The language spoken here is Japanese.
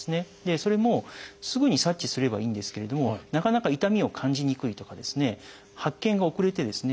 それもすぐに察知すればいいんですけれどもなかなか痛みを感じにくいとかですね発見が遅れてですね